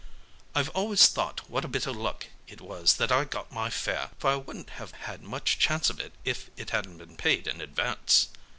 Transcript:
I've always thought what a bit o' luck it was that I got my fare, for I wouldn't have had much chance of it if it hadn't been paid in advance."